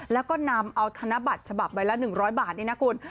แล้วก็นำเอาธนบัตรฉบับใบละ๑๐๐บาทนี่นะคุณ